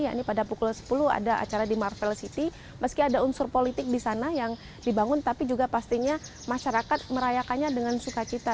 yakni pada pukul sepuluh ada acara di marvel city meski ada unsur politik di sana yang dibangun tapi juga pastinya masyarakat merayakannya dengan sukacita